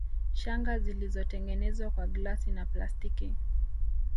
Shanga zilizotengenezwa kwa glasi na plastiki